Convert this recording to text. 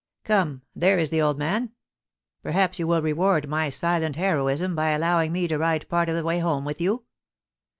Come — there is the old man ! Perhaps you will reward my silent heroism by allowing me to ride part of the way home with you